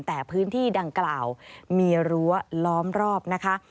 แต่พื้นที่ดังกล่าวมีรั้วล้อมรอบนะคะ